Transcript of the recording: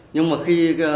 nhưng mà khi